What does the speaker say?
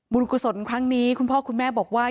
กุศลครั้งนี้คุณพ่อคุณแม่บอกว่า